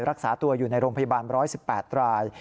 รักษาตัวอยู่ในโรงพยาบาล๑๑๘ราย